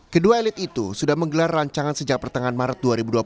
kedua elit itu sudah menggelar rancangan sejak pertengahan maret dua ribu dua puluh